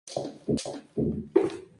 Su hijo Carmelo Santiago Jr.